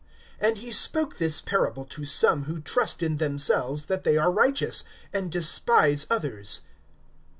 (9)And he spoke this parable to some who trust in themselves that they are righteous, and despise others.